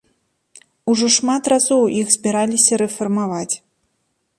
Ужо шмат разоў іх збіраліся рэфармаваць.